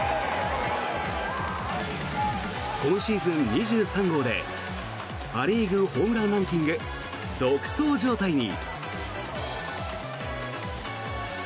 今シーズン２３号でア・リーグホームランランキング独走状態に。